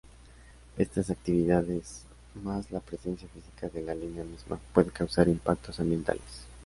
Estas actividades, más la presencia física de la línea misma, pueden causar impactos ambientales.